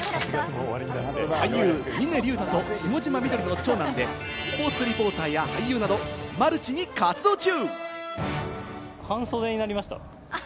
俳優・峰竜太と下嶋美どりの長男でスポーツリポーターや俳優などマルチに活動中。